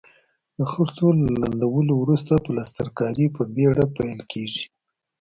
د خښتو له لمدولو وروسته پلسترکاري په بېړه پیل کیږي.